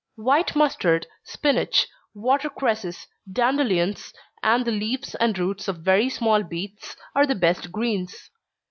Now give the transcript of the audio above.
_ White mustard, spinach, water cresses, dandelions, and the leaves and roots of very small beets, are the best greens.